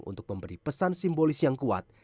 dan menjadi pesan simbolis yang kuat